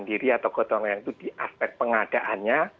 dia atau gotongan itu di aspek pengadaannya